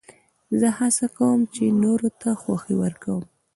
زه هڅه کوم، چي نورو ته خوښي ورکم.